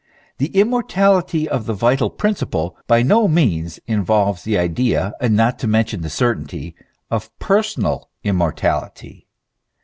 The immortality of the vital prin ciple by no means involves the idea, not to mention the certainty, of personal immortality.